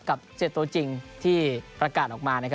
เสียตัวจริงที่ประกาศออกมานะครับ